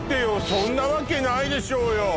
そんなわけないでしょうよ